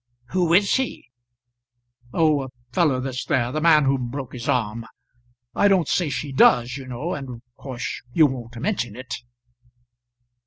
"Who is he?" "Oh, a fellow that's there. The man who broke his arm. I don't say she does, you know, and of course you won't mention it."